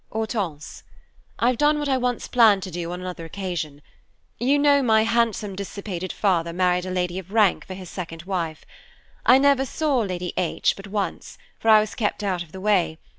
"Hortense: "I've done what I once planned to do on another occasion. You know my handsome, dissipated father married a lady of rank for his second wife. I never saw Lady H d but once, for I was kept out of the way.